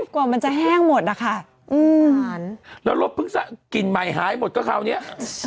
กว่ามันจะแห้งหมดนะคะแล้วรสเพิ่งกลิ่นใหม่หายหมดก็คราวเนี้ย